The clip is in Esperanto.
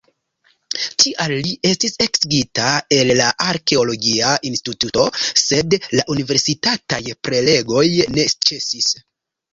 Tial li estis eksigita el la arkeologia instituto, sed la universitataj prelegoj ne ĉesis.